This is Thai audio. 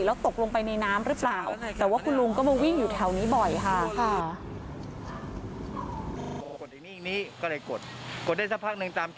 แล้วตกลงไปในน้ำหรือเปล่า